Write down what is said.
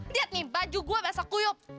lihat nih baju gua basah kuyup